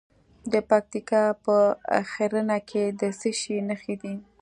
د پکتیکا په ښرنه کې د څه شي نښې دي؟